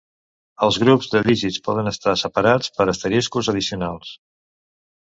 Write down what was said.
Els grups de dígits poden estar separats per asteriscos addicionals.